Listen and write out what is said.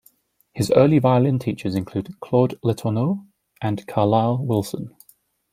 His early violin teachers include Claude Letourneau and Carlisle Wilson.